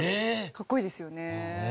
かっこいいですよね。